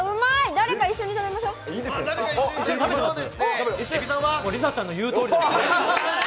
誰か一緒に食べましょう、梨紗ちゃんの言うとおりですね。